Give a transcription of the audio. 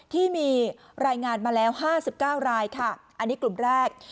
ที่มีรายงานมาแล้ว๕๙รายค่ะอันนี้กลุ่มแรก